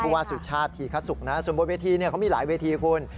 ว่าสุชาติธีคสุกนะส่วนบนเวทีเขามีหลายเวทีคุณ